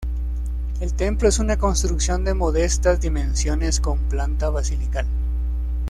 El templo es una construcción de modestas dimensiones con planta basilical.